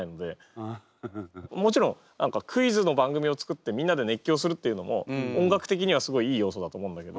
もちろん何かクイズの番組を作ってみんなで熱狂するっていうのも音楽的にはすごいいい要素だと思うんだけど。